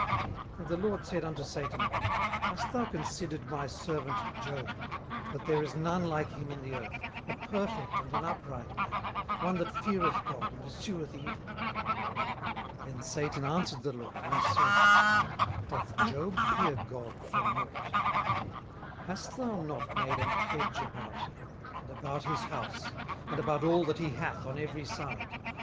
18:001:008 And the LORD said unto Satan, Hast thou considered my servant Job, that there is none like him in the earth, a perfect and an upright man, one that feareth God, and escheweth evil? 18:001:009 Then Satan answered the LORD, and said, Doth Job fear God for nought? 18:001:010 Hast not thou made an hedge about him, and about his house, and about all that he hath on every side?